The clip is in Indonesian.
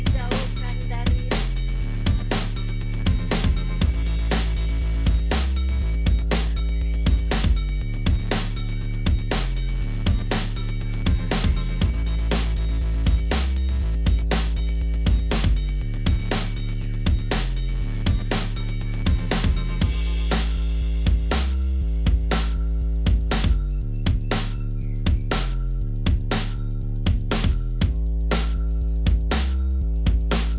dan bisa memperkenalkan diri